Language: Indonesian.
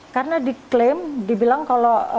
karena diklaim dibilang kalau